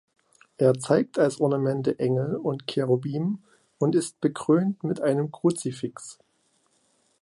Er zeigt als Ornamente Engel und Cherubim und ist bekrönt mit einem Kruzifix.